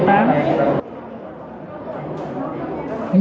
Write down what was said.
địa chỉ là ba trăm sáu mươi một một mươi bốn hai mươi bảy b